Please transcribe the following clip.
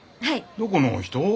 どこのお人？